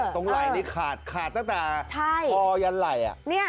ไหล่นี่ขาดขาดตั้งแต่คอยันไหล่